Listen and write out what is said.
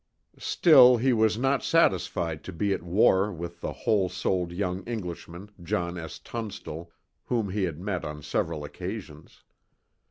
Still he was not satisfied to be at war with the whole souled young Englishman, John S. Tunstall, whom he had met on several occasions.